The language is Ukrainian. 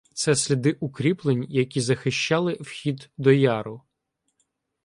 — Це сліди укріплень, які захищали вхід до яру.